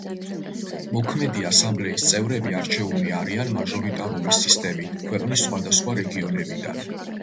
მოქმედი ასამბლეის წევრები არჩეულნი არიან მაჟორიტარული სისტემით ქვეყნის სხვადასხვა რეგიონებიდან.